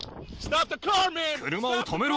車を止めろ。